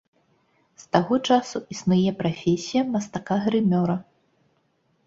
З таго часу існуе прафесія мастака-грымёра.